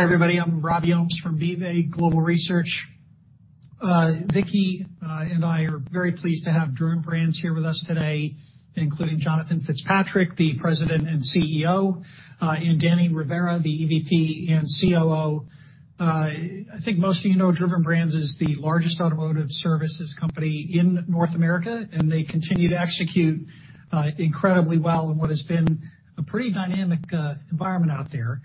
Hi, everybody. I'm Robert Ohmes from BofA Global Research. Vicky and I are very pleased to have Driven Brands here with us today, including Jonathan Fitzpatrick, the President and CEO, and Danny Rivera, the EVP and COO. I think most of you know Driven Brands is the largest automotive services company in North America, and they continue to execute incredibly well in what has been a pretty dynamic environment out there.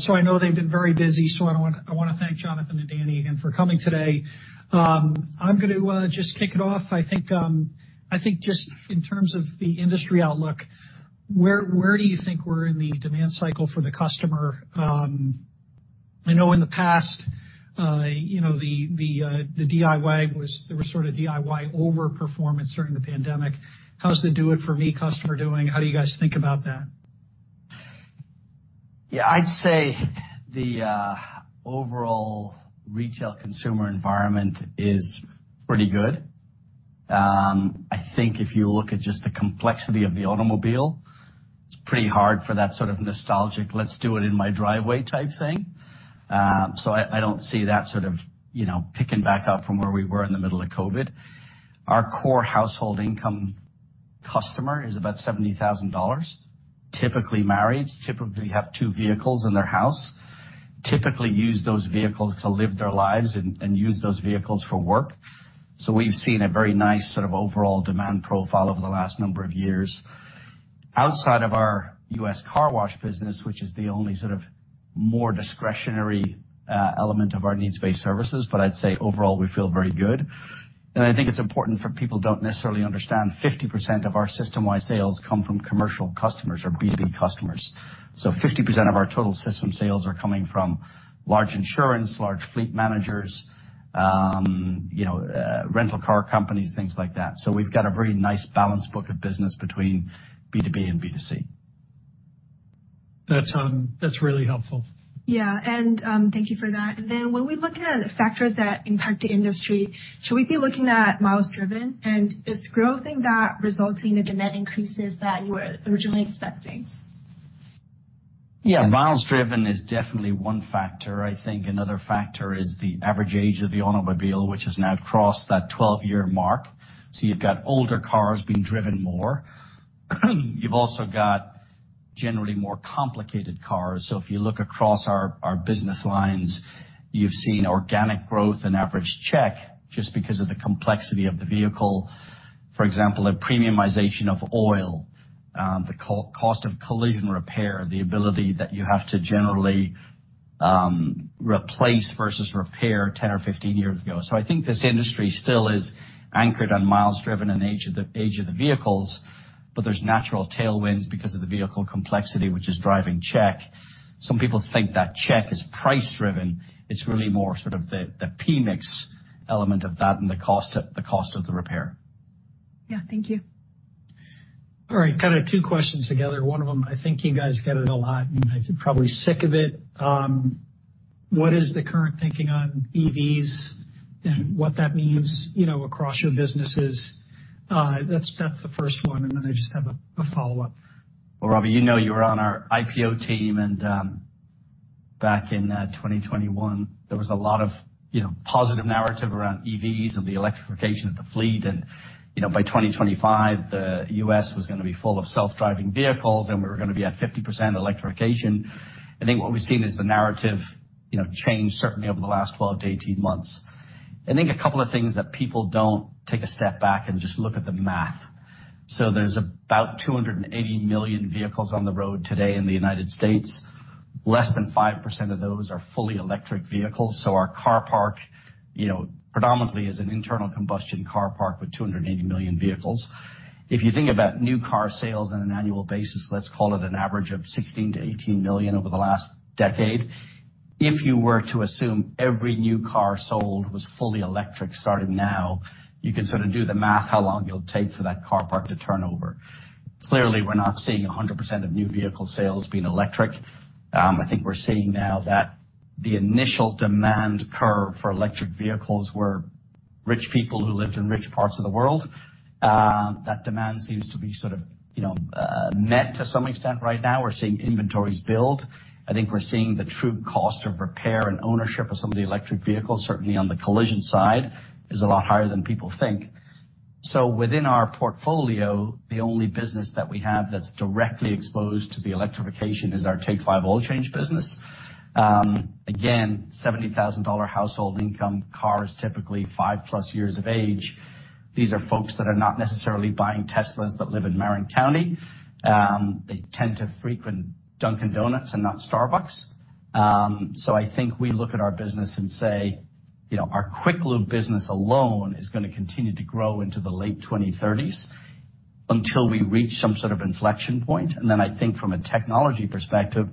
So I know they've been very busy, so I want to thank Jonathan and Danny again for coming today. I'm going to just kick it off. I think just in terms of the industry outlook, where do you think we're in the demand cycle for the customer? I know in the past, you know, the DIY, there was sort of DIY overperformance during the pandemic. How's the do-it-for-me customer doing? How do you guys think about that? Yeah, I'd say the overall retail consumer environment is pretty good. I think if you look at just the complexity of the automobile, it's pretty hard for that sort of nostalgic "let's do it in my driveway" type thing. So I, I don't see that sort of, you know, picking back up from where we were in the middle of COVID. Our core household income customer is about $70,000, typically married, typically have two vehicles in their house, typically use those vehicles to live their lives and, and use those vehicles for work. So we've seen a very nice sort of overall demand profile over the last number of years. Outside of our U.S. car wash business, which is the only sort of more discretionary element of our needs-based services, but I'd say overall we feel very good. I think it's important for people don't necessarily understand 50% of our system-wide sales come from commercial customers or B2B customers. So 50% of our total system sales are coming from large insurance, large fleet managers, you know, rental car companies, things like that. So we've got a very nice balanced book of business between B2B and B2C. That's really helpful. Yeah, and thank you for that. Then when we look at factors that impact the industry, should we be looking at miles driven, and is growth in that resulting in the demand increases that you were originally expecting? Yeah, miles driven is definitely one factor. I think another factor is the average age of the automobile, which has now crossed that 12-year mark. So you've got older cars being driven more. You've also got generally more complicated cars. So if you look across our business lines, you've seen organic growth in average check just because of the complexity of the vehicle. For example, the premiumization of oil, the cost of collision repair, the ability that you have to generally replace versus repair 10 or 15 years ago. So I think this industry still is anchored on miles driven and age of the vehicles, but there's natural tailwinds because of the vehicle complexity, which is driving check. Some people think that check is price-driven. It's really more sort of the PMIX element of that and the cost of the repair. Yeah, thank you. All right, kind of two questions together. One of them, I think you guys get it a lot, and I think probably sick of it. What is the current thinking on EVs and what that means, you know, across your businesses? That's, that's the first one, and then I just have a, a follow-up. Well, Robbie, you know you were on our IPO team, and, back in, 2021, there was a lot of, you know, positive narrative around EVs and the electrification of the fleet. And, you know, by 2025, the U.S. was going to be full of self-driving vehicles, and we were going to be at 50% electrification. I think what we've seen is the narrative, you know, change certainly over the last 12-18 months. I think a couple of things that people don't take a step back and just look at the math. So there's about 280 million vehicles on the road today in the United States. Less than 5% of those are fully electric vehicles. So our car park, you know, predominantly is an internal combustion car park with 280 million vehicles. If you think about new car sales on an annual basis, let's call it an average of 16-18 million over the last decade. If you were to assume every new car sold was fully electric starting now, you can sort of do the math how long it'll take for that car park to turnover. Clearly, we're not seeing 100% of new vehicle sales being electric. I think we're seeing now that the initial demand curve for electric vehicles were rich people who lived in rich parts of the world. That demand seems to be sort of, you know, met to some extent right now. We're seeing inventories build. I think we're seeing the true cost of repair and ownership of some of the electric vehicles, certainly on the collision side, is a lot higher than people think. So within our portfolio, the only business that we have that's directly exposed to the electrification is our Take 5 Oil Change business. Again, $70,000 household income, cars typically five plus years of age. These are folks that are not necessarily buying Teslas that live in Marin County. They tend to frequent Dunkin' Donuts and not Starbucks. So I think we look at our business and say, you know, our quick-lube business alone is going to continue to grow into the late 2030s until we reach some sort of inflection point. And then I think from a technology perspective,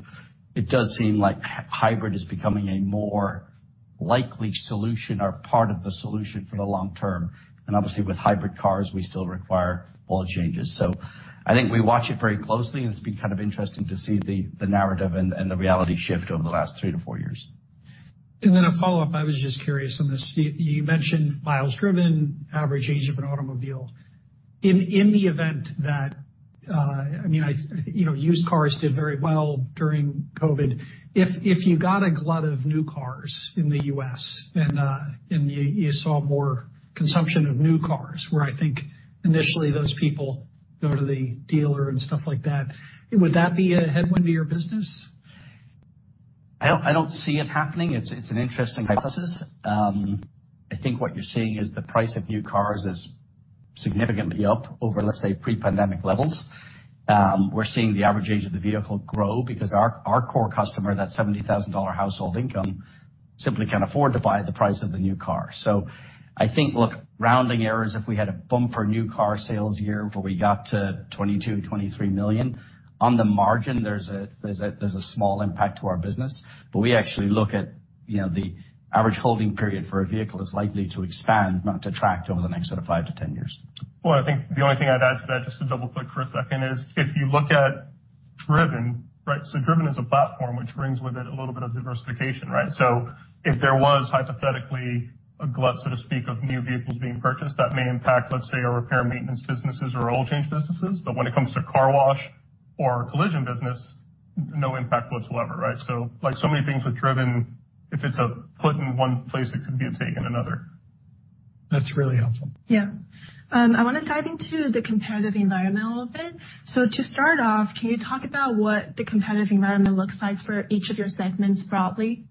it does seem like hybrid is becoming a more likely solution or part of the solution for the long term. And obviously, with hybrid cars, we still require oil changes. I think we watch it very closely, and it's been kind of interesting to see the narrative and the reality shift over the last three four years. Then a follow-up. I was just curious on this. You mentioned miles driven, average age of an automobile. In the event that, I mean, you know, used cars did very well during COVID. If you got a glut of new cars in the U.S. and you saw more consumption of new cars, where I think initially those people go to the dealer and stuff like that, would that be a headwind to your business? I don't see it happening. It's an interesting hypothesis. I think what you're seeing is the price of new cars is significantly up over, let's say, pre-pandemic levels. We're seeing the average age of the vehicle grow because our core customer, that $70,000 household income, simply can't afford to buy the price of the new car. So I think, look, rounding errors, if we had a bumper new car sales year where we got to $22 million-$23 million, on the margin, there's a small impact to our business. But we actually look at, you know, the average holding period for a vehicle is likely to expand, not to contract, over the next sort of five 10 years. Well, I think the only thing I'd add to that, just to double-click for a second, is if you look at Driven, right, so Driven is a platform which brings with it a little bit of diversification, right? So if there was hypothetically a glut, so to speak, of new vehicles being purchased, that may impact, let's say, our repair and maintenance businesses or oil change businesses. But when it comes to car wash or collision business, no impact whatsoever, right? So, like so many things with Driven, if it's a put in one place, it could be a take in another. That's really helpful. Yeah. I want to dive into the competitive environment a little bit. To start off, can you talk about what the competitive environment looks like for each of your segments broadly?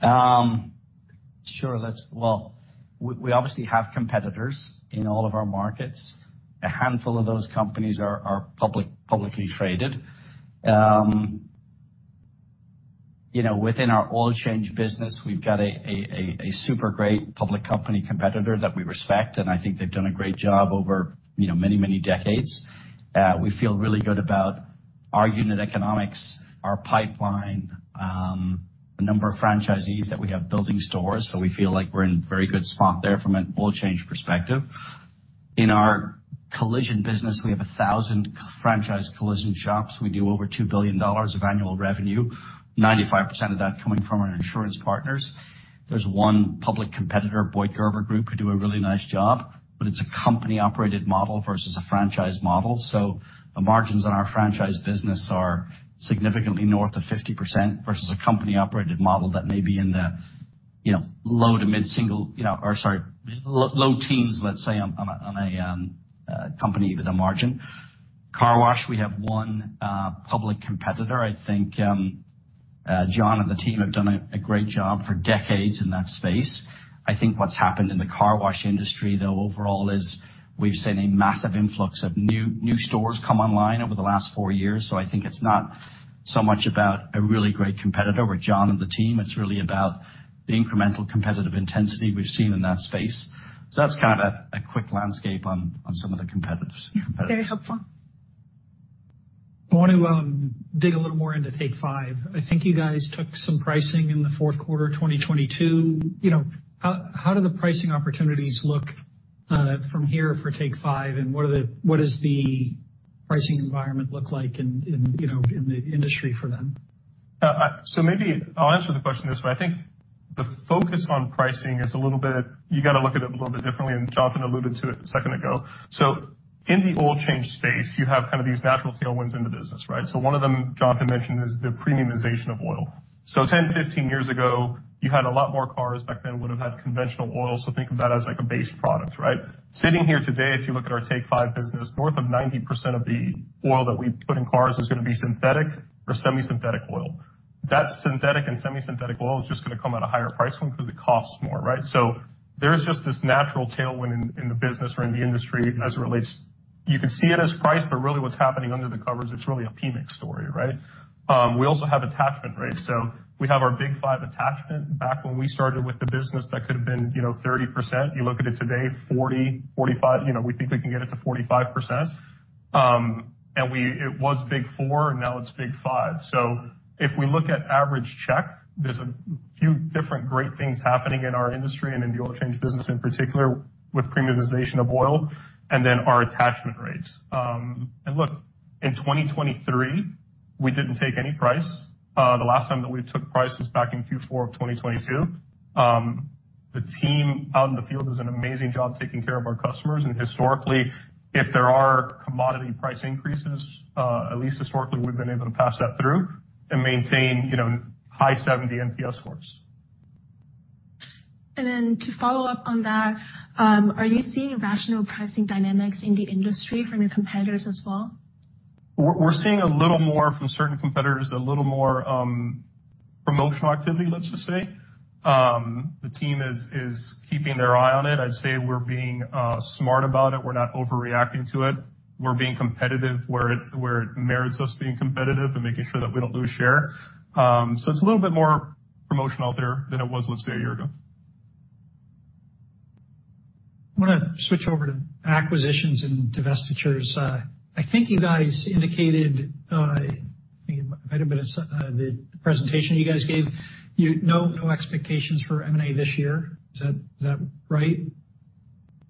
Sure. Well, we obviously have competitors in all of our markets. A handful of those companies are public, publicly traded. You know, within our oil change business, we've got a super great public company competitor that we respect, and I think they've done a great job over, you know, many decades. We feel really good about our unit economics, our pipeline, the number of franchisees that we have building stores. So we feel like we're in a very good spot there from an oil change perspective. In our collision business, we have 1,000 franchise collision shops. We do over $2 billion of annual revenue, 95% of that coming from our insurance partners. There's one public competitor, Boyd Group, who do a really nice job, but it's a company-operated model versus a franchise model. So the margins on our franchise business are significantly north of 50% versus a company-operated model that may be in the, you know, low to mid-single, you know or sorry, low, low teens, let's say, on a company with a margin. Car wash, we have one public competitor. I think, John and the team have done a great job for decades in that space. I think what's happened in the car wash industry, though, overall is we've seen a massive influx of new stores come online over the last four years. So I think it's not so much about a really great competitor with John and the team. It's really about the incremental competitive intensity we've seen in that space. So that's kind of a quick landscape on some of the competitors. Very helpful. I want to dig a little more into Take 5. I think you guys took some pricing in the fourth quarter of 2022. You know, how do the pricing opportunities look from here for Take 5, and what does the pricing environment look like in the industry for them? So maybe I'll answer the question this way. I think the focus on pricing is a little bit you got to look at it a little bit differently, and Jonathan alluded to it a second ago. So in the oil change space, you have kind of these natural tailwinds into business, right? So one of them, Jonathan mentioned, is the premiumization of oil. So 10, 15 years ago, you had a lot more cars back then would have had conventional oil. So think of that as, like, a base product, right? Sitting here today, if you look at our Take 5 business, north of 90% of the oil that we put in cars is going to be synthetic or semi-synthetic oil. That synthetic and semi-synthetic oil is just going to come at a higher price point because it costs more, right? So there's just this natural tailwind in the business or in the industry as it relates, you can see it as price, but really what's happening under the covers, it's really a PMIX story, right? We also have attachment rates. So we have our big five attachment. Back when we started with the business, that could have been, you know, 30%. You look at it today, 40, 45 you know, we think we can get it to 45%. And it was big four, and now it's big five. So if we look at average check, there's a few different great things happening in our industry and in the oil change business in particular with premiumization of oil and then our attachment rates. And look, in 2023, we didn't take any price. The last time that we took price was back in Q4 of 2022. The team out in the field does an amazing job taking care of our customers. Historically, if there are commodity price increases, at least historically, we've been able to pass that through and maintain, you know, high 70s NPS scores. And then to follow up on that, are you seeing rational pricing dynamics in the industry from your competitors as well? We're seeing a little more from certain competitors, a little more promotional activity, let's just say. The team is keeping their eye on it. I'd say we're being smart about it. We're not overreacting to it. We're being competitive where it merits us being competitive and making sure that we don't lose share. So it's a little bit more promotional there than it was, let's say, a year ago. I want to switch over to acquisitions and divestitures. I think you guys indicated, I think it might have been in the presentation you guys gave, you know, no expectations for M&A this year. Is that right?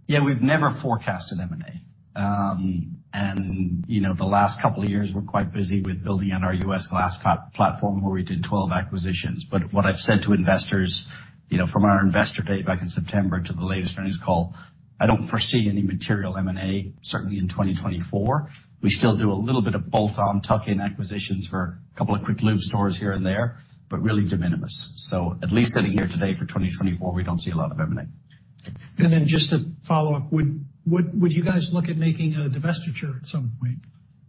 Yeah, we've never forecasted M&A. And, you know, the last couple of years, we're quite busy with building on our U.S. glass platform where we did 12 acquisitions. But what I've said to investors, you know, from our Investor Day back in September to the latest earnings call, I don't foresee any material M&A, certainly in 2024. We still do a little bit of bolt-on, tuck-in acquisitions for a couple of quick-lube stores here and there, but really de minimis. So at least sitting here today for 2024, we don't see a lot of M&A. Just to follow up, would you guys look at making a divestiture at some point?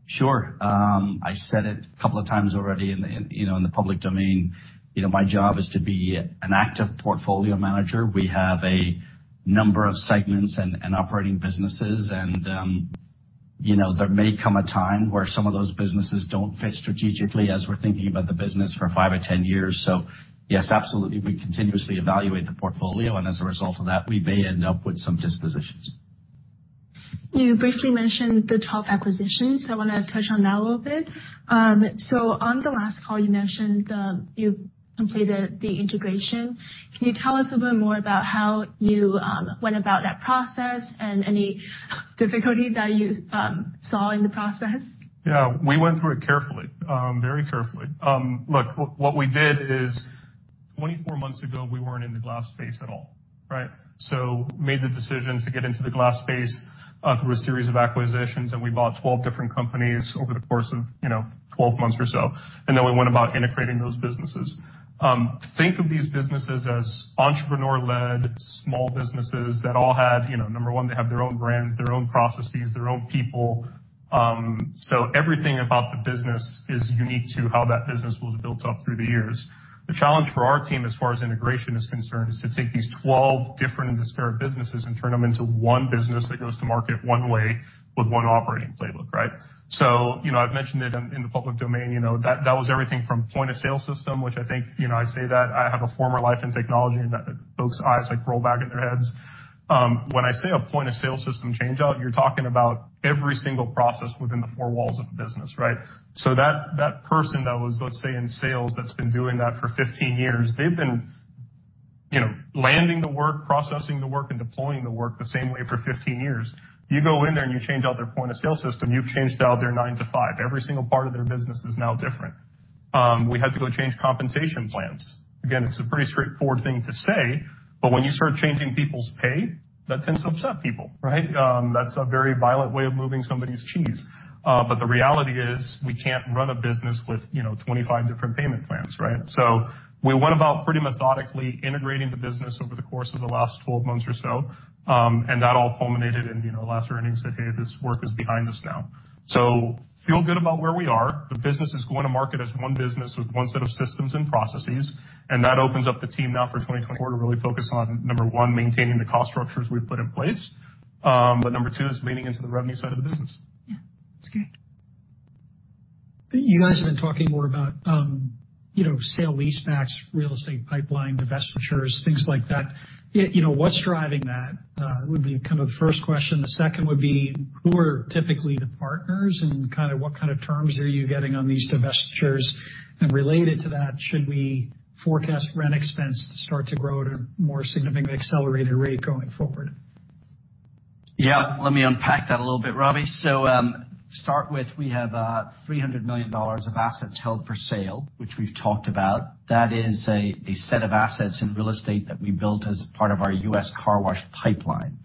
Sure. I said it a couple of times already in the, you know, in the public domain. You know, my job is to be an active portfolio manager. We have a number of segments and operating businesses. And, you know, there may come a time where some of those businesses don't fit strategically as we're thinking about the business for 5 or 10 years. So yes, absolutely, we continuously evaluate the portfolio. And as a result of that, we may end up with some dispositions. You briefly mentioned the top acquisitions, so I want to touch on that a little bit. On the last call, you mentioned, you completed the integration. Can you tell us a little bit more about how you, went about that process and any difficulty that you, saw in the process? Yeah. We went through it carefully, very carefully. Look, what we did is 24 months ago, we weren't in the glass space at all, right? So made the decision to get into the glass space, through a series of acquisitions. And we bought 12 different companies over the course of, you know, 12 months or so. And then we went about integrating those businesses. Think of these businesses as entrepreneur-led small businesses that all had, you know, number one, they have their own brands, their own processes, their own people. So everything about the business is unique to how that business was built up through the years. The challenge for our team, as far as integration is concerned, is to take these 12 different and disparate businesses and turn them into one business that goes to market one way with one operating playbook, right? So, you know, I've mentioned it in the public domain. You know, that was everything from point of sale system, which I think, you know, I say that. I have a former life in technology, and that folks' eyes, like, roll back in their heads when I say a point of sale system changeout, you're talking about every single process within the four walls of a business, right? So that person that was, let's say, in sales that's been doing that for 15 years, they've been, you know, landing the work, processing the work, and deploying the work the same way for 15 years. You go in there, and you change out their point of sale system. You've changed out their 9:00 A.M. to 5:00 P.M. Every single part of their business is now different. We had to go change compensation plans. Again, it's a pretty straightforward thing to say, but when you start changing people's pay, that tends to upset people, right? That's a very violent way of moving somebody's cheese. But the reality is we can't run a business with, you know, 25 different payment plans, right? So we went about pretty methodically integrating the business over the course of the last 12 months or so. And that all culminated in, you know, last earnings said, "Hey, this work is behind us now." So feel good about where we are. The business is going to market as one business with one set of systems and processes. And that opens up the team now for 2024 to really focus on, number one, maintaining the cost structures we've put in place, but number two, is leaning into the revenue side of the business. Yeah. That's great. You guys have been talking more about, you know, sale-leasebacks, real estate pipeline, divestitures, things like that. You know, what's driving that? That would be kind of the first question. The second would be, who are typically the partners, and kind of what kind of terms are you getting on these divestitures? Related to that, should we forecast rent expense to start to grow at a more significantly accelerated rate going forward? Yeah. Let me unpack that a little bit, Robbie. So, start with we have $300 million of assets held for sale, which we've talked about. That is a set of assets in real estate that we built as part of our U.S. car wash pipeline.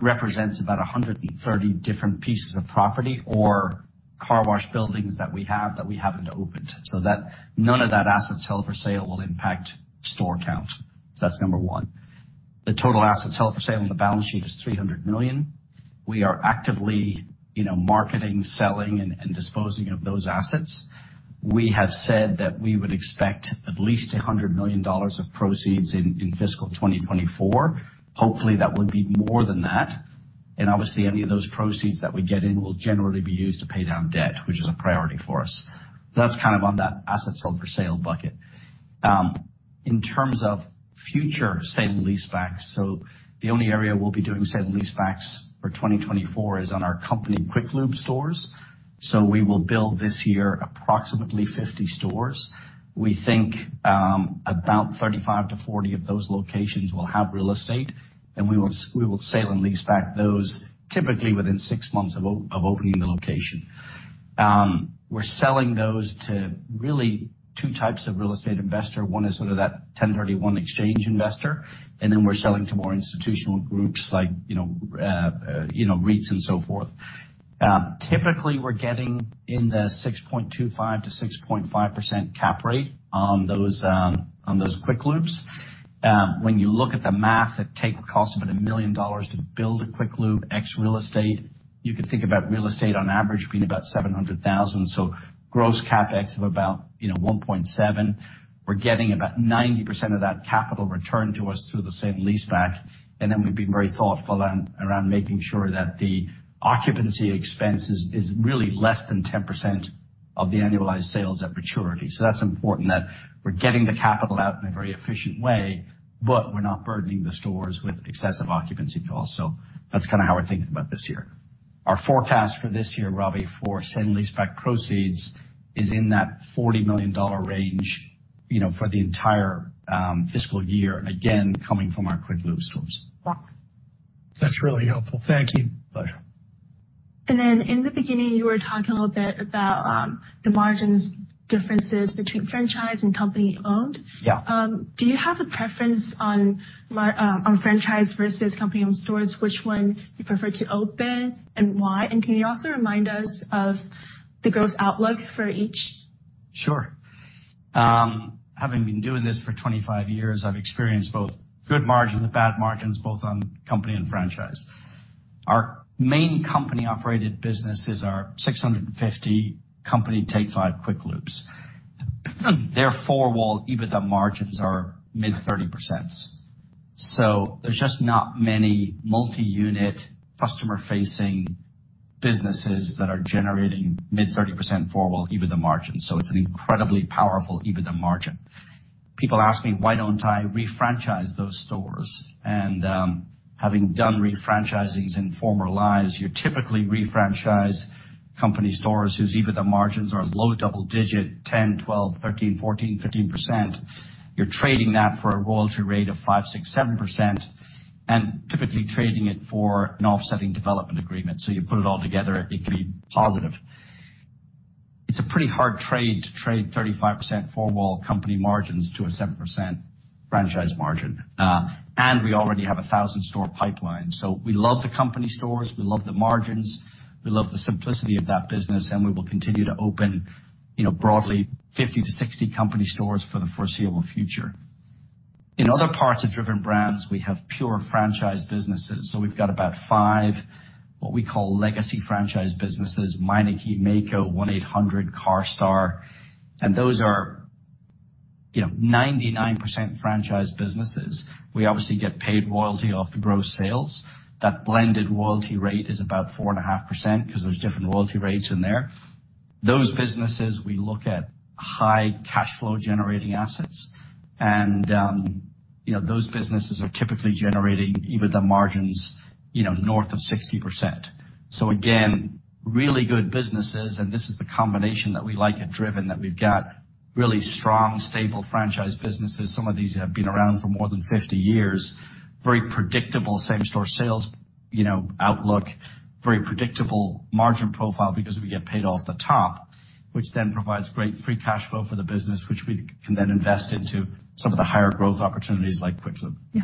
Represents about 130 different pieces of property or car wash buildings that we have that we haven't opened. So that none of that assets held for sale will impact store count. So that's number one. The total assets held for sale on the balance sheet is $300 million. We are actively, you know, marketing, selling, and disposing of those assets. We have said that we would expect at least $100 million of proceeds in fiscal 2024. Hopefully, that would be more than that. Obviously, any of those proceeds that we get in will generally be used to pay down debt, which is a priority for us. That's kind of on that assets held for sale bucket. In terms of future sale-leasebacks, the only area we'll be doing sale-leasebacks for 2024 is on our company quick-lube stores. We will build this year approximately 50 stores. We think about 35-40 of those locations will have real estate. We will sale-leaseback those typically within six months of opening the location. We're selling those to really two types of real estate investor. One is sort of that 1031 Exchange investor. Then we're selling to more institutional groups like, you know, REITs and so forth. Typically, we're getting 6.25%-6.5% cap rate on those quick-lubes. When you look at the math, it takes the cost of about $1 million to build a quick-lube CapEx real estate. You could think about real estate on average being about $700,000, so gross CapEx of about, you know, $1.7 million. We're getting about 90% of that capital returned to us through the sale-leaseback. And then we've been very thoughtful on around making sure that the occupancy expense is really less than 10% of the annualized sales at maturity. So that's important, that we're getting the capital out in a very efficient way, but we're not burdening the stores with excessive occupancy costs. So that's kind of how we're thinking about this year. Our forecast for this year, Robbie, for sale-leaseback proceeds is in that $40 million range, you know, for the entire fiscal year, again, coming from our quick-lube stores. That's really helpful. Thank you. Pleasure. In the beginning, you were talking a little bit about the margins differences between franchise and company-owned. Yeah. Do you have a preference on franchise versus company-owned stores, which one you prefer to open and why? And can you also remind us of the growth outlook for each? Sure. Having been doing this for 25 years, I've experienced both good margins, bad margins, both on company and franchise. Our main company-operated business is our 650 company Take 5 quick lube. Their four-wall EBITDA margins are mid-30%. So there's just not many multi-unit customer-facing businesses that are generating mid-30% four-wall EBITDA margins. So it's an incredibly powerful EBITDA margin. People ask me, "Why don't I refranchise those stores?" And, having done refranchisings in former lives, you typically refranchise company stores whose EBITDA margins are low double-digit, 10, 12, 13, 14, 15%. You're trading that for a royalty rate of 5, 6, 7% and typically trading it for an offsetting development agreement. So you put it all together, it can be positive. It's a pretty hard trade to trade 35% four-wall company margins to a 7% franchise margin, and we already have 1,000-store pipeline. So we love the company stores. We love the margins. We love the simplicity of that business. And we will continue to open, you know, broadly 50-60 company stores for the foreseeable future. In other parts of Driven Brands, we have pure franchise businesses. So we've got about five what we call legacy franchise businesses: Meineke, Maaco, 1-800, CARSTAR. And those are, you know, 99% franchise businesses. We obviously get paid royalty off the gross sales. That blended royalty rate is about 4.5% because there's different royalty rates in there. Those businesses, we look at high cash flow-generating assets. And, you know, those businesses are typically generating EBITDA margins, you know, north of 60%. So again, really good businesses. And this is the combination that we like at Driven, that we've got really strong, stable franchise businesses. Some of these have been around for more than 50 years, very predictable same-store sales, you know, outlook, very predictable margin profile because we get paid off the top, which then provides great free cash flow for the business, which we can then invest into some of the higher growth opportunities like quick-lube. Yeah.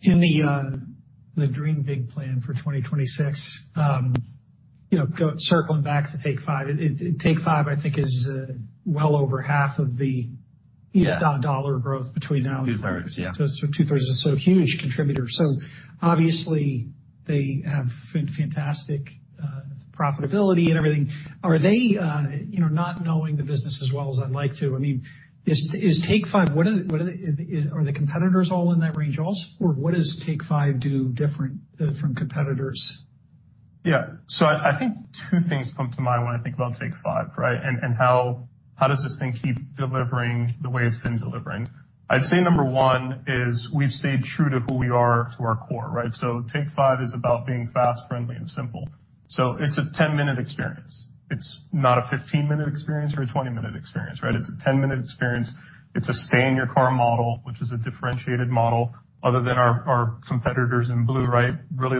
In the dream big plan for 2026, you know, circling back to Take 5, Take 5, I think, is well over half of the, you know, dollar growth between now and. Two-thirds, yeah. So it's two-thirds or so huge contributor. So obviously, they have fantastic profitability and everything. Are they, you know, not knowing the business as well as I'd like to? I mean, is Take 5, what are the competitors all in that range also, or what does Take 5 do different from competitors? Yeah. So I, I think two things come to mind when I think about Take 5, right, and, and how, how does this thing keep delivering the way it's been delivering? I'd say number one is we've stayed true to who we are to our core, right? So Take 5 is about being fast, friendly, and simple. So it's a 10-minute experience. It's not a 15-minute experience or a 20-minute experience, right? It's a 10-minute experience. It's a stay-in-your-car model, which is a differentiated model other than our, our competitors in blue, right? Really,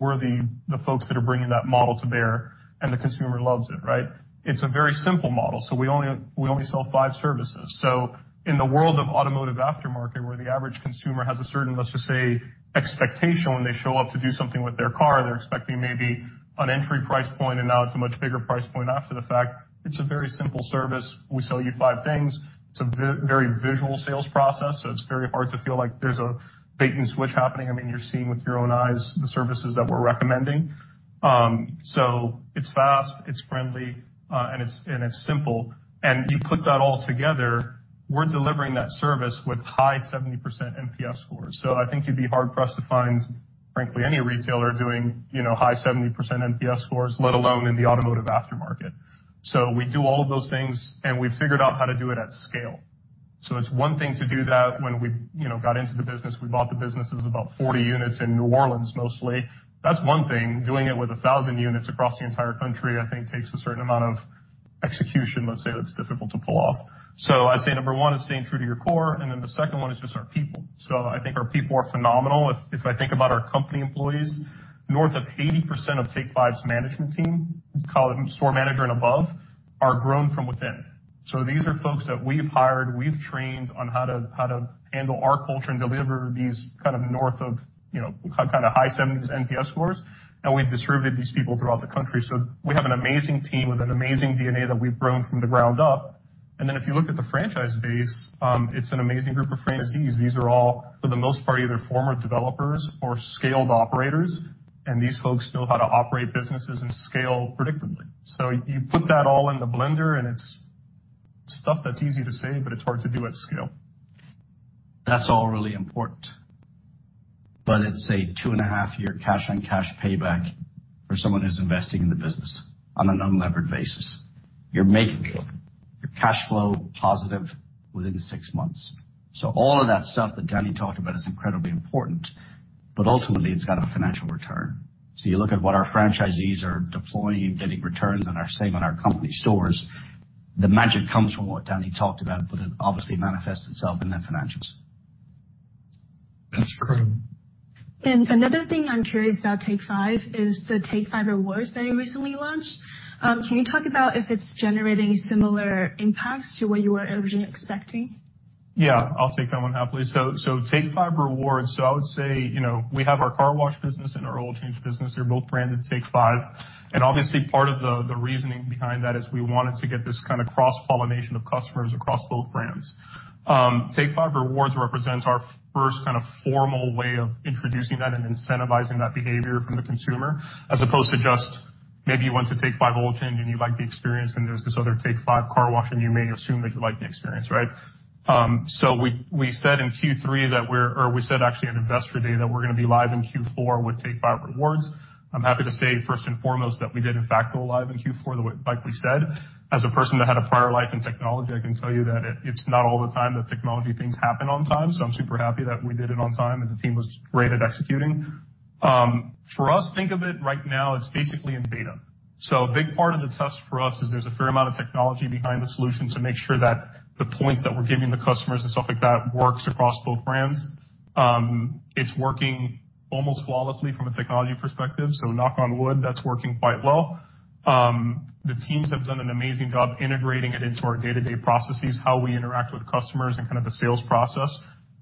we're the folks that are bringing that model to bear. And the consumer loves it, right? It's a very simple model. So we only we only sell five services. So in the world of automotive aftermarket, where the average consumer has a certain, let's just say, expectation when they show up to do something with their car, they're expecting maybe an entry price point, and now it's a much bigger price point after the fact. It's a very simple service. We sell you five things. It's a very visual sales process. So it's very hard to feel like there's a bait-and-switch happening. I mean, you're seeing with your own eyes the services that we're recommending. So it's fast. It's friendly, and it's simple. And you put that all together, we're delivering that service with high 70% NPS scores. So I think you'd be hard-pressed to find, frankly, any retailer doing, you know, high 70% NPS scores, let alone in the automotive aftermarket. So we do all of those things. We've figured out how to do it at scale. It's one thing to do that when we, you know, got into the business. We bought the businesses about 40 units in New Orleans, mostly. That's one thing. Doing it with 1,000 units across the entire country, I think, takes a certain amount of execution, let's say, that's difficult to pull off. I'd say number one is staying true to your core. Then the second one is just our people. I think our people are phenomenal. If I think about our company employees, north of 80% of Take 5's management team, call it store manager and above, are grown from within. These are folks that we've hired. We've trained on how to handle our culture and deliver these kind of north of, you know, kind of high 70s NPS scores. We've distributed these people throughout the country. So we have an amazing team with an amazing DNA that we've grown from the ground up. And then if you look at the franchise base, it's an amazing group of franchisees. These are all, for the most part, either former developers or scaled operators. And these folks know how to operate businesses and scale predictably. So you put that all in the blender, and it's stuff that's easy to say, but it's hard to do at scale. That's all really important. But it's a two and a half year cash-on-cash payback for someone who's investing in the business on an unlevered basis. You're making your cash flow positive within six months. So all of that stuff that Danny talked about is incredibly important, but ultimately, it's got a financial return. So you look at what our franchisees are deploying, getting returns, and are saying on our company stores, the magic comes from what Danny talked about, but it obviously manifests itself in their financials. That's true. Another thing I'm curious about Take 5 is the Take 5 Rewards that you recently launched. Can you talk about if it's generating similar impacts to what you were originally expecting? Yeah. I'll take that one happily. So, Take 5 Rewards, so I would say, you know, we have our car wash business and our oil change business. They're both branded Take 5. And obviously, part of the reasoning behind that is we wanted to get this kind of cross-pollination of customers across both brands. Take 5 Rewards represents our first kind of formal way of introducing that and incentivizing that behavior from the consumer as opposed to just maybe you went to Take 5 Oil Change, and you liked the experience. And there's this other Take 5 Car Wash, and you may assume that you like the experience, right? So we said in Q3 that we're, or we said, actually, on Investor Day, that we're going to be live in Q4 with Take 5 Rewards. I'm happy to say, first and foremost, that we did, in fact, go live in Q4 the way like we said. As a person that had a prior life in technology, I can tell you that it, it's not all the time that technology things happen on time. So I'm super happy that we did it on time, and the team was great at executing. For us, think of it right now, it's basically in beta. So a big part of the test for us is there's a fair amount of technology behind the solution to make sure that the points that we're giving the customers and stuff like that works across both brands. It's working almost flawlessly from a technology perspective. So knock on wood, that's working quite well. The teams have done an amazing job integrating it into our day-to-day processes, how we interact with customers, and kind of the sales process.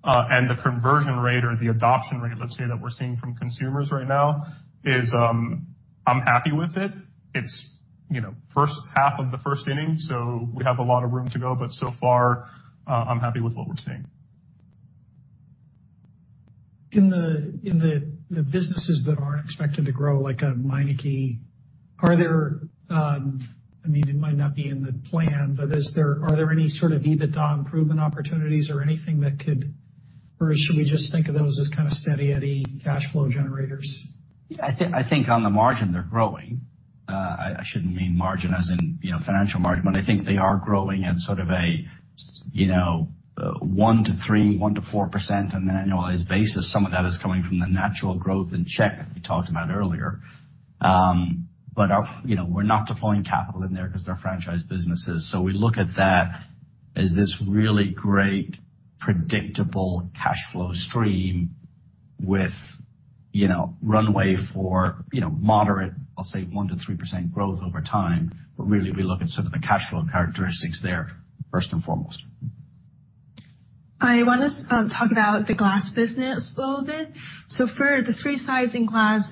The conversion rate or the adoption rate, let's say, that we're seeing from consumers right now is, I'm happy with it. It's, you know, first half of the first inning. So we have a lot of room to go. But so far, I'm happy with what we're seeing. In the businesses that aren't expected to grow, like a Meineke, are there, I mean, it might not be in the plan, but is there any sort of EBITDA improvement opportunities or anything that could or should we just think of those as kind of steady-eddy cash flow generators? Yeah. I think on the margin, they're growing. I shouldn't mean margin as in, you know, financial margin. But I think they are growing at sort of a, you know, 1%-3%, 1%-4% on an annualized basis. Some of that is coming from the natural growth in check that we talked about earlier. But, you know, we're not deploying capital in there because they're franchise businesses. So we look at that as this really great predictable cash flow stream with, you know, runway for, you know, moderate, I'll say, 1%-3% growth over time. But really, we look at sort of the cash flow characteristics there first and foremost. I want to talk about the glass business a little bit. So for the three sides in glass,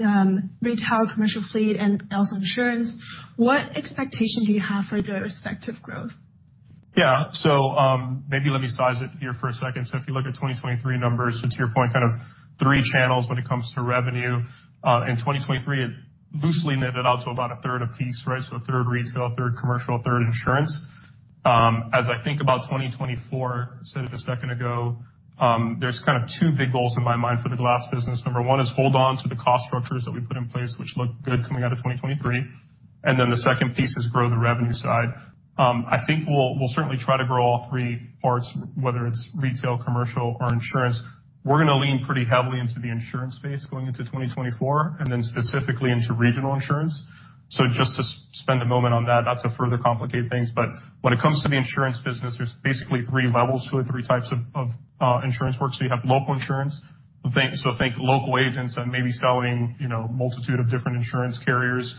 retail, commercial fleet, and also insurance, what expectation do you have for their respective growth? Yeah. So, maybe let me size it here for a second. So if you look at 2023 numbers, so to your point, kind of three channels when it comes to revenue. In 2023, it loosely netted out to about a third apiece, right? So a third retail, a third commercial, a third insurance. As I think about 2024, I said it a second ago, there's kind of two big goals in my mind for the glass business. Number one is hold on to the cost structures that we put in place, which look good coming out of 2023. And then the second piece is grow the revenue side. I think we'll, we'll certainly try to grow all three parts, whether it's retail, commercial, or insurance. We're going to lean pretty heavily into the insurance space going into 2024 and then specifically into regional insurance. So just to spend a moment on that, not to further complicate things. But when it comes to the insurance business, there's basically three levels, really, three types of insurance work. So you have local insurance. Think local agents and maybe selling, you know, multitude of different insurance carriers.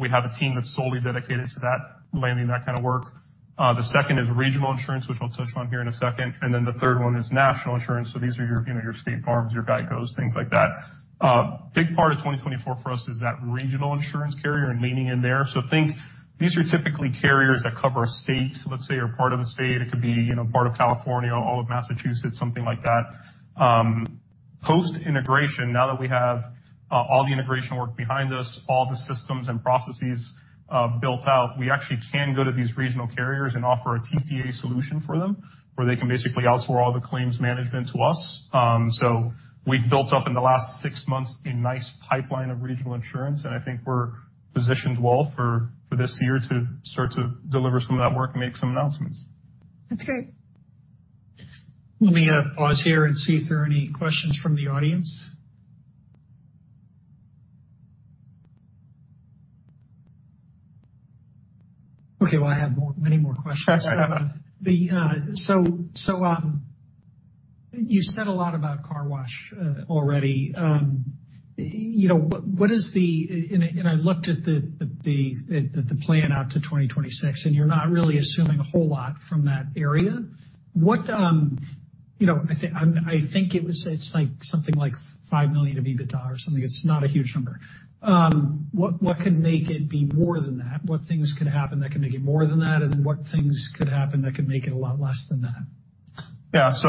We have a team that's solely dedicated to that, landing that kind of work. The second is regional insurance, which I'll touch on here in a second. And then the third one is national insurance. So these are your, you know, your State Farm's, your GEICO's, things like that. Big part of 2024 for us is that regional insurance carrier and leaning in there. So think these are typically carriers that cover a state, let's say, or part of the state. It could be, you know, part of California, all of Massachusetts, something like that. Post-integration, now that we have all the integration work behind us, all the systems and processes built out, we actually can go to these regional carriers and offer a TPA solution for them where they can basically outsource all the claims management to us. So we've built up in the last six months a nice pipeline of regional insurance. And I think we're positioned well for this year to start to deliver some of that work and make some announcements. That's great. Let me pause here and see if there are any questions from the audience. Okay. Well, I have many more questions. So, you said a lot about car wash already. You know, what is the and I looked at the plan out to 2026, and you're not really assuming a whole lot from that area. What, you know, I think it was like something like $5 million of EBITDA or something. It's not a huge number. What could make it be more than that? What things could happen that could make it more than that? And then what things could happen that could make it a lot less than that? Yeah. So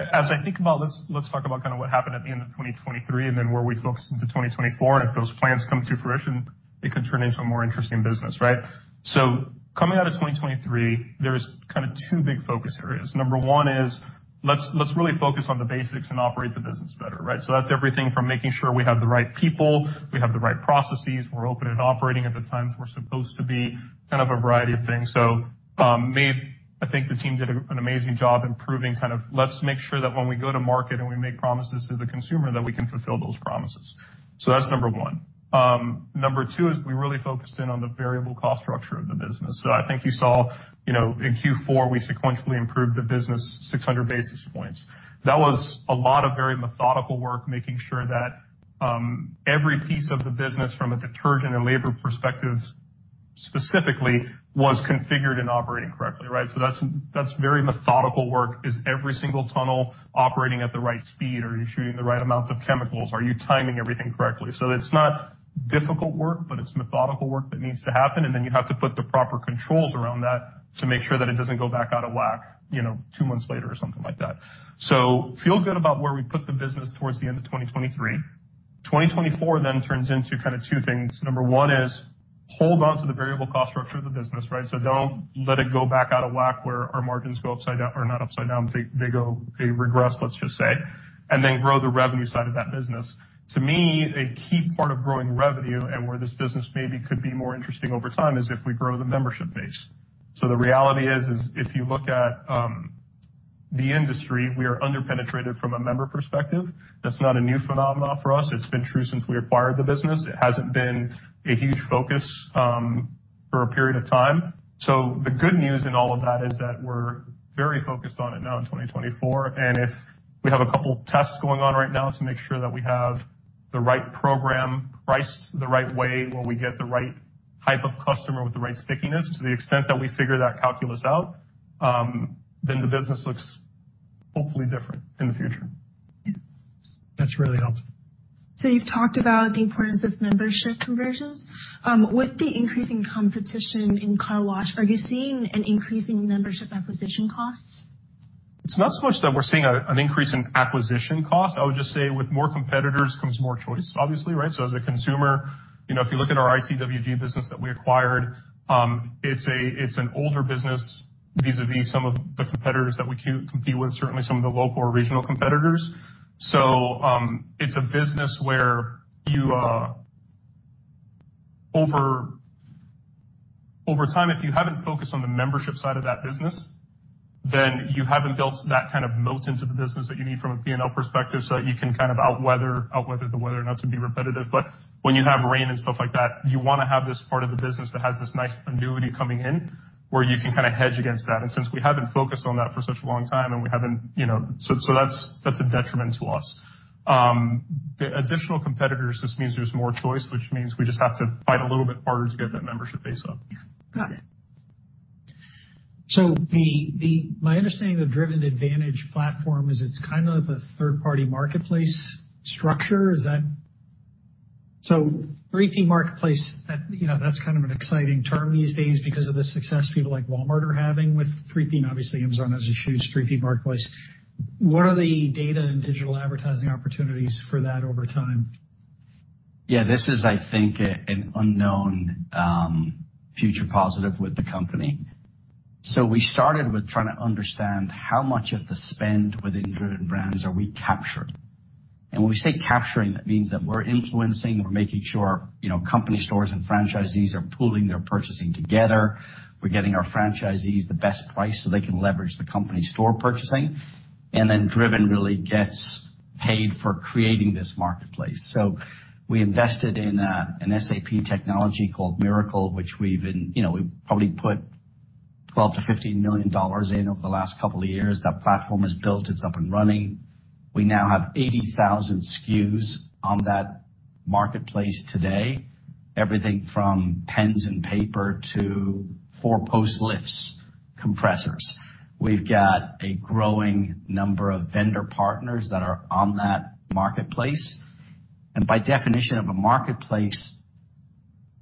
as I think about, let's talk about kind of what happened at the end of 2023 and then where we focus into 2024. And if those plans come to fruition, it could turn into a more interesting business, right? So coming out of 2023, there's kind of two big focus areas. Number one is, let's really focus on the basics and operate the business better, right? So that's everything from making sure we have the right people, we have the right processes, we're open and operating at the times we're supposed to be, kind of a variety of things. So, I think the team did an amazing job improving kind of, let's make sure that when we go to market and we make promises to the consumer, that we can fulfill those promises. So that's number one. Number two is we really focused in on the variable cost structure of the business. So I think you saw, you know, in Q4, we sequentially improved the business 600 basis points. That was a lot of very methodical work making sure that every piece of the business from a detergent and labor perspective specifically was configured and operating correctly, right? So that's very methodical work: is every single tunnel operating at the right speed? Are you shooting the right amounts of chemicals? Are you timing everything correctly? So it's not difficult work, but it's methodical work that needs to happen. And then you have to put the proper controls around that to make sure that it doesn't go back out of whack, you know, two months later or something like that. So feel good about where we put the business towards the end of 2023. 2024 then turns into kind of two things. Number one is hold on to the variable cost structure of the business, right? So don't let it go back out of whack where our margins go upside down or not upside down. They go, they regress, let's just say, and then grow the revenue side of that business. To me, a key part of growing revenue and where this business maybe could be more interesting over time is if we grow the membership base. So the reality is if you look at the industry, we are underpenetrated from a member perspective. That's not a new phenomenon for us. It's been true since we acquired the business. It hasn't been a huge focus for a period of time. So the good news in all of that is that we're very focused on it now in 2024. If we have a couple tests going on right now to make sure that we have the right program priced the right way, where we get the right type of customer with the right stickiness, to the extent that we figure that calculus out, then the business looks hopefully different in the future. Yeah. That's really helpful. So you've talked about the importance of membership conversions. With the increasing competition in car wash, are you seeing an increase in membership acquisition costs? It's not so much that we're seeing an increase in acquisition costs. I would just say with more competitors comes more choice, obviously, right? So as a consumer, you know, if you look at our ICWG business that we acquired, it's an older business vis-à-vis some of the competitors that we compete with, certainly some of the local or regional competitors. So, it's a business where you, over time, if you haven't focused on the membership side of that business, then you haven't built that kind of moat into the business that you need from a P&L perspective so that you can kind of outweather the weather, not to be repetitive. But when you have rain and stuff like that, you want to have this part of the business that has this nice annuity coming in where you can kind of hedge against that. Since we haven't focused on that for such a long time, and we haven't, you know so, so that's, that's a detriment to us. The additional competitors, this means there's more choice, which means we just have to fight a little bit harder to get that membership base up. Yeah. Got it. So my understanding of the Driven Advantage platform is it's kind of a third-party marketplace structure. Is that so? 3P Marketplace, that, you know, that's kind of an exciting term these days because of the success people like Walmart are having with 3P, and obviously, Amazon has a huge 3P Marketplace. What are the data and digital advertising opportunities for that over time? Yeah. This is, I think, an unknown, future positive with the company. So we started with trying to understand how much of the spend within Driven Brands are we capturing? And when we say capturing, that means that we're influencing, we're making sure, you know, company stores and franchisees are pooling their purchasing together. We're getting our franchisees the best price so they can leverage the company store purchasing. And then Driven really gets paid for creating this marketplace. So we invested in an SAP technology called Miracle, which we've, you know, we've probably put $12-$15 million in over the last couple of years. That platform is built. It's up and running. We now have 80,000 SKUs on that marketplace today, everything from pens and paper to four post-lifts compressors. We've got a growing number of vendor partners that are on that marketplace. By definition of a marketplace,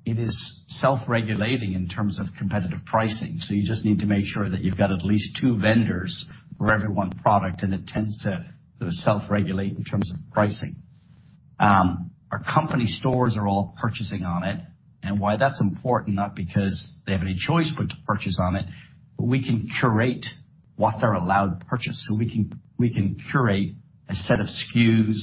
it is self-regulating in terms of competitive pricing. So you just need to make sure that you've got at least two vendors for every one product. And it tends to sort of self-regulate in terms of pricing. Our company stores are all purchasing on it. And why that's important, not because they have any choice but to purchase on it, but we can curate what they're allowed to purchase. So we can curate a set of SKUs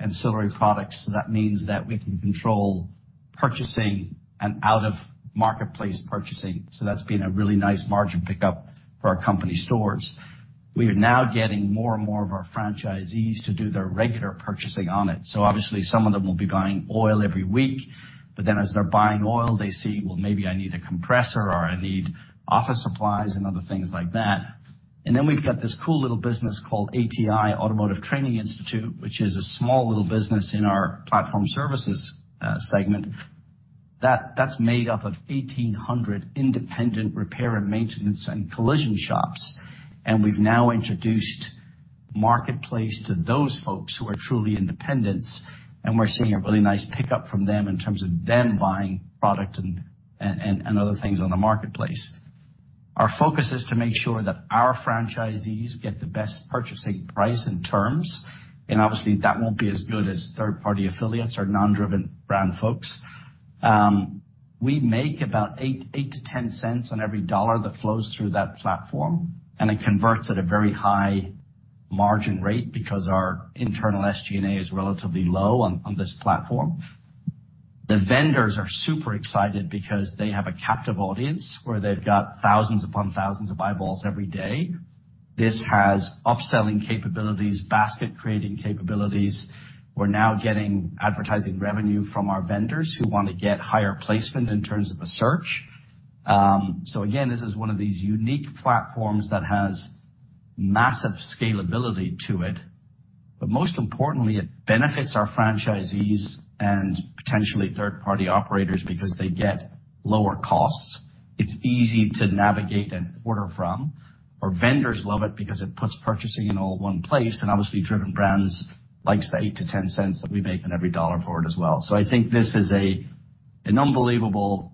and ancillary products. So that means that we can control purchasing and out-of-marketplace purchasing. So that's been a really nice margin pickup for our company stores. We are now getting more and more of our franchisees to do their regular purchasing on it. So obviously, some of them will be buying oil every week. But then as they're buying oil, they see, "Well, maybe I need a compressor," or, "I need office supplies," and other things like that. And then we've got this cool little business called ATI Automotive Training Institute, which is a small little business in our platform services segment. That's made up of 1,800 independent repair and maintenance and collision shops. And we've now introduced marketplace to those folks who are truly independents. And we're seeing a really nice pickup from them in terms of them buying product and other things on the marketplace. Our focus is to make sure that our franchisees get the best purchasing price and terms. And obviously, that won't be as good as third-party affiliates or non-Driven Brands folks. We make about $0.08-$0.10 on every $1 that flows through that platform. It converts at a very high margin rate because our internal SG&A is relatively low on this platform. The vendors are super excited because they have a captive audience where they've got thousands upon thousands of eyeballs every day. This has upselling capabilities, basket-creating capabilities. We're now getting advertising revenue from our vendors who want to get higher placement in terms of a search. So again, this is one of these unique platforms that has massive scalability to it. But most importantly, it benefits our franchisees and potentially third-party operators because they get lower costs. It's easy to navigate and order from. Our vendors love it because it puts purchasing in all one place. And obviously, Driven Brands likes the $0.08-$0.10 that we make on every dollar for it as well. So I think this is an unbelievable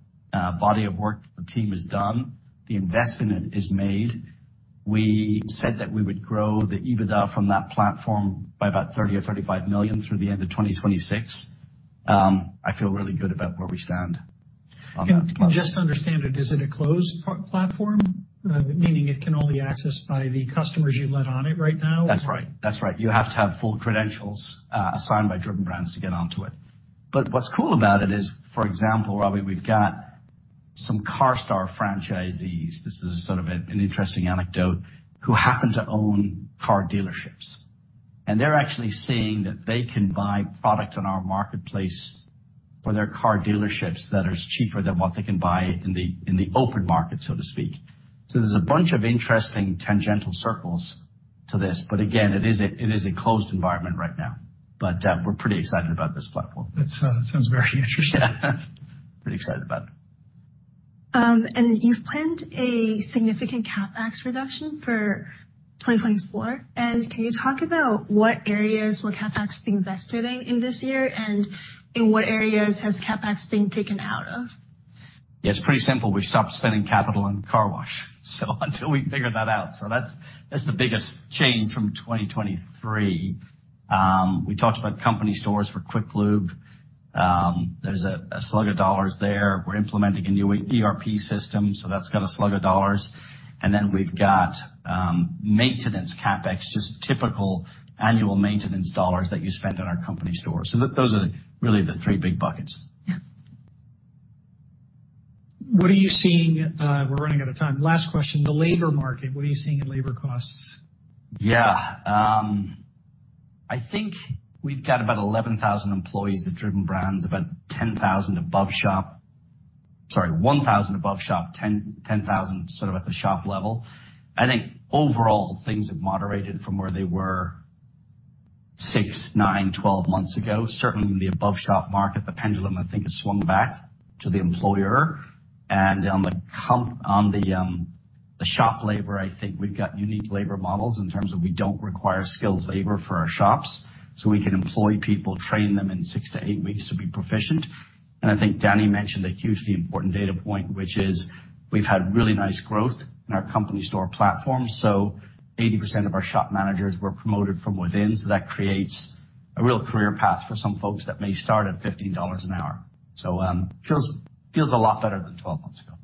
body of work the team has done. The investment is made. We said that we would grow the EBITDA from that platform by about $30 million-$35 million through the end of 2026. I feel really good about where we stand on that platform. And just to understand it, is it a closed platform, meaning it can only be accessed by the customers you let on it right now? That's right. That's right. You have to have full credentials, assigned by Driven Brands to get onto it. But what's cool about it is, for example, Robbie, we've got some CARSTAR franchisees, this is sort of an, an interesting anecdote, who happen to own car dealerships. And they're actually seeing that they can buy products on our marketplace for their car dealerships that are cheaper than what they can buy in the in the open market, so to speak. So there's a bunch of interesting tangential circles to this. But again, it is a it is a closed environment right now. But, we're pretty excited about this platform. That sounds very interesting. Yeah. Pretty excited about it. You've planned a significant CapEx reduction for 2024. Can you talk about what areas will CapEx be invested in, in this year, and in what areas has CapEx been taken out of? Yeah. It's pretty simple. We've stopped spending capital on car wash until we figure that out. So that's the biggest change from 2023. We talked about company stores for quick-lube. There's a slug of dollars there. We're implementing a new ERP system. So that's got a slug of dollars. And then we've got maintenance CapEx, just typical annual maintenance dollars that you spend on our company stores. So those are really the three big buckets. Yeah. What are you seeing? We're running out of time. Last question. The labor market, what are you seeing in labor costs? Yeah. I think we've got about 11,000 employees at Driven Brands, about 10,000 above shop sorry, 1,000 above shop, 10, 10,000 sort of at the shop level. I think overall, things have moderated from where they were 6, 9, 12 months ago. Certainly, in the above shop market, the pendulum, I think, has swung back to the employer. And on the comp on the, the shop labor, I think we've got unique labor models in terms of we don't require skilled labor for our shops. So we can employ people, train them in 6-8 weeks to be proficient. And I think Danny mentioned a hugely important data point, which is we've had really nice growth in our company store platform. So 80% of our shop managers were promoted from within. So that creates a real career path for some folks that may start at $15 an hour. Feels a lot better than 12 months ago.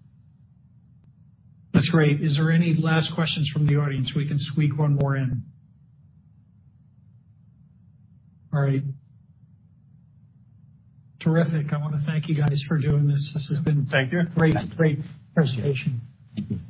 That's great. Is there any last questions from the audience? We can squeak one more in. All right. Terrific. I want to thank you guys for doing this. This has been. Thank you. Great, great presentation. Thank you.